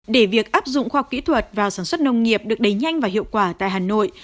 để việc áp dụng khoa học kỹ thuật vào sản xuất nông nghiệp được đẩy nhanh và hiệu quả tại hà nội